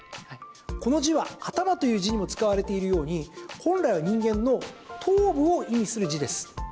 この字は頭という字にも使われているように本来は人間の頭部を意味する字です。